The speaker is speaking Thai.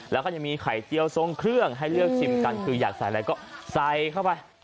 แล้วก็จะมีไข่เจียวทรงเครื่องให้เลือกชิมกันคืออยากใส่อะไรก็ใส่เข้าไป